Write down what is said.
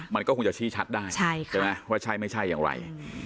มันก็คงจะชี้ชัดได้ใช่ไหมว่าใช่ไม่ใช่อย่างไร